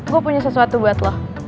gue punya sesuatu buat lo